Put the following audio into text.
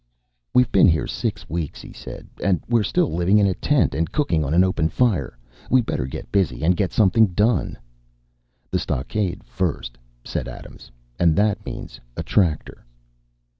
"We've been here six weeks," he said, "and we're still living in a tent and cooking on an open fire. We better get busy and get something done." "The stockade first," said Adams, "and that means a tractor."